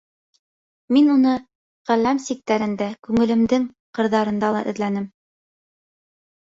Мин уны ғаләм сиктәрендә, күңелемдең ҡырҙарында ла эҙләнем.